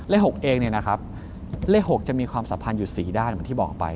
เลข๖เองเนี่ยนะครับเลข๖จะมีความสัมพันธ์อยู่๔ด้านเหมือนที่บอกไป